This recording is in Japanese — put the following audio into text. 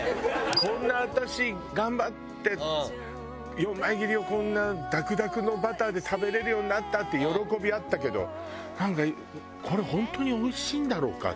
こんな私頑張って４枚切りをこんなだくだくのバターで食べれるようになったって喜びあったけどなんかこれ本当においしいんだろうか？